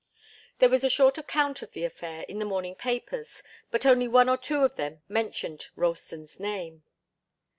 There was a short account of the affair in the morning papers, but only one or two of them mentioned Ralston's name.